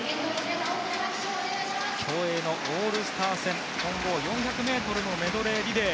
競泳のオールスター戦混合４００ｍのメドレーリレー。